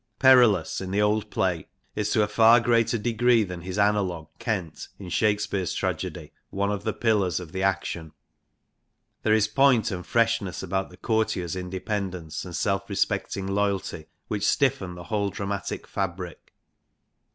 Perillus in the old play is to a far greater degree than his analogue, Kent, in Shakespeare's tragedy, one of the pillars of the action. There is point and freshness about the courtier's independence and self respecting loyalty, which stiffen the whole dramatic fabric.